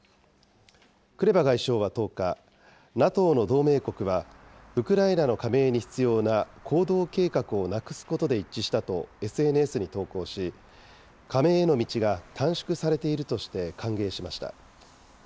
クレバ外相は１０日、ＮＡＴＯの同盟国はウクライナの加盟に必要な行動計画をなくすことで一致したとＳＮＳに投稿し、加盟への道が短縮されているとして歓迎しました。